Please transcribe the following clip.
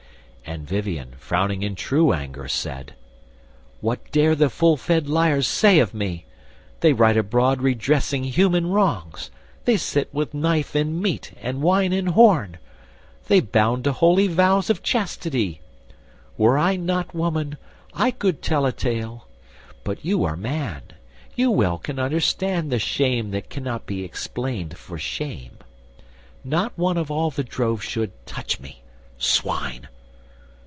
And Vivien, frowning in true anger, said: "What dare the full fed liars say of me? They ride abroad redressing human wrongs! They sit with knife in meat and wine in horn! They bound to holy vows of chastity! Were I not woman, I could tell a tale. But you are man, you well can understand The shame that cannot be explained for shame. Not one of all the drove should touch me: swine!"